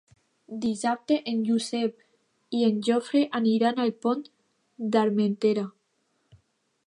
Dissabte en Josep i en Jofre aniran al Pont d'Armentera.